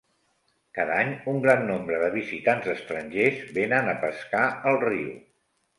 Cada any, un gran nombre de visitants estrangers vénen a pescar al riu.